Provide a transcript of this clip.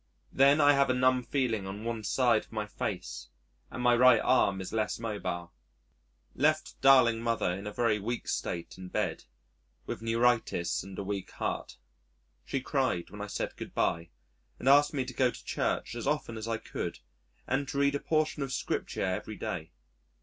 Then I have a numb feeling on one side of my face, and my right arm is less mobile. Left darling Mother in a very weak state in bed, with neuritis and a weak heart. She cried when I said "Goodbye," and asked me to go to Church as often as I could, and to read a portion of Scripture every day.